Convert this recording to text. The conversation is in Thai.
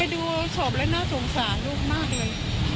ไปดูสวบเลยโหน้ทสงสารลูกมากเลย